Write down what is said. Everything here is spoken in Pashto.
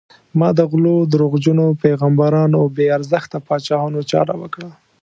ما د غلو، دروغجنو پیغمبرانو او بې ارزښته پاچاهانو چاره وکړه.